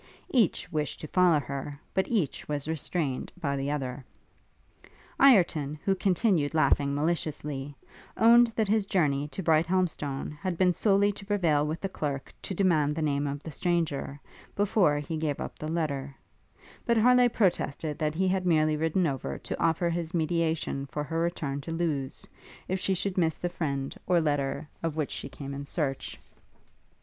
Each wished to follow her, but each was restrained by the other. Ireton, who continued laughing maliciously, owned that his journey to Brighthelmstone had been solely to prevail with the clerk to demand the name of the stranger, before he gave up the letter; but Harleigh protested that he had merely ridden over to offer his mediation for her return to Lewes, if she should miss the friend, or letter, of which she came in search.